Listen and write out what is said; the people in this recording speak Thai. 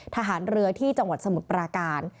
ทหารเรือที่จังหวัดสมุทรปราการ